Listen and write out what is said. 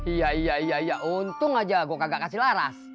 iya iya ya untung aja gue kagak kasih laras